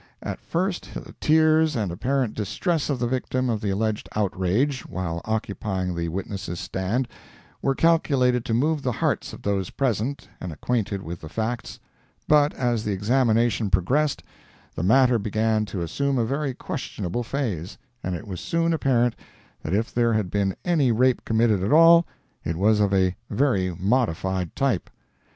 At first the tears and apparent distress of the victim of the alleged outrage, while occupying the witness's stand, were calculated to move the hearts of those present and unacquainted with the facts; but as the examination progressed the matter began to assume a very questionable phase, and it was soon apparent that if there had been any rape committed at all, it was of a very modified type.